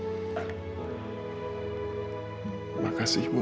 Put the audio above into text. begitu itu ibu akan assembleda aku